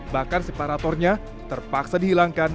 bahkan separatornya terpaksa dihilangkan